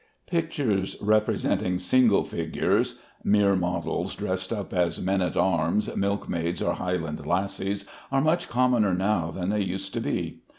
Pictures representing single figures (mere models dressed up as men at arms, milk maids, or Highland lassies) are much commoner now than they used to be.